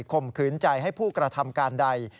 มขืนใจให้ผู้กระทำการใด